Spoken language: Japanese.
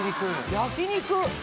焼肉。